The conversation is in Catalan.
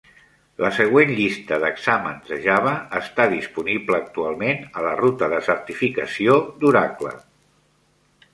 La següent llista d'exàmens de Java està disponible actualment a la ruta de certificació d'Oracle.